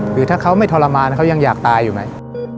หรือถ้าเขาไม่ทรมานเขายังอยากตายอยู่ไหม